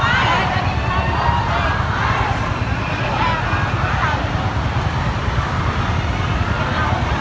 อัศวินธรรมชาติอัศวินธรรมชาติ